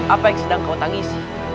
apa yang sedang kau tangisi